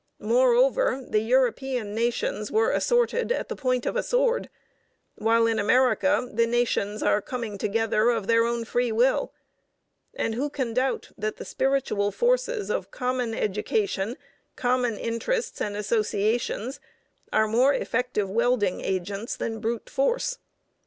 Moreover, the European nations were assorted at the point of the sword, while in America the nations are coming together of their own free will; and who can doubt that the spiritual forces of common education, common interests and associations are more effective welding agents than brute force?